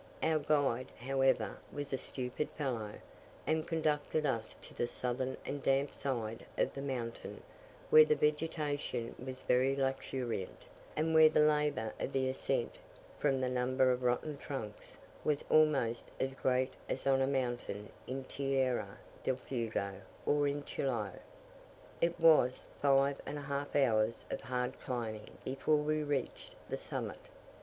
Our guide, however, was a stupid fellow, and conducted us to the southern and damp side of the mountain, where the vegetation was very luxuriant; and where the labour of the ascent, from the number of rotten trunks, was almost as great as on a mountain in Tierra del Fuego or in Chiloe. It cost us five and a half hours of hard climbing before we reached the summit.